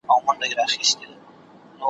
په هوا به دي تر بله ډنډه یوسو ,